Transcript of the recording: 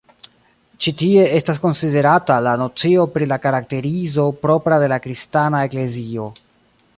Ĉi tie estas konsiderata la nocio pri la karakterizo propra de la Kristana Eklezio.